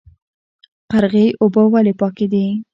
قرغې اوبه ولې پاکې دي؟